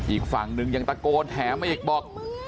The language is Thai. อีกฝั่งหนึ่งยังตะโกนแถมมาอีกบอก